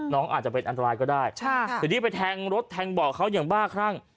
น้องอาจจะเป็นอันตรายก็ได้ทีนี้ไปแทงรถแทงเบาะเขาอย่างบ้าครั่ง